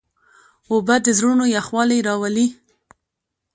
اوبه د زړونو یخوالی راولي.